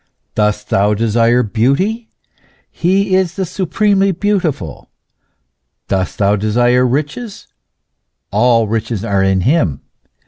Dost thou desire beauty He is the supremely beautiful. Dost thou desire riches all riches are in Him.